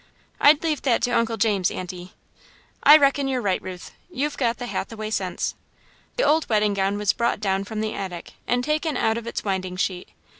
"I'd leave that to Uncle James, Aunty." "I reckon you're right, Ruth you've got the Hathaway sense." The old wedding gown was brought down from the attic and taken out of its winding sheet.